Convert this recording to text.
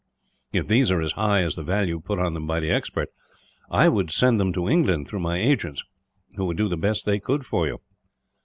If these are as high as the value put on them by the expert, I would send them to England, through my agents, who would do the best they could for you."